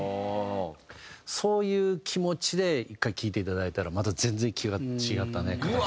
そういう気持ちで１回聴いていただいたらまた全然違ったね形に。